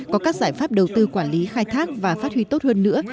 có các giải pháp đầu tư quản lý khai thác và phát huy tốt hơn nữa